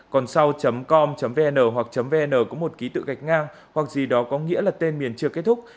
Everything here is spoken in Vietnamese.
còn sau com vn hoặc vn có một ký tự gạch ngang hoặc gì đó có nghĩa là tên miền chưa kết thúc